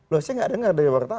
loh saya nggak dengar dari wartawan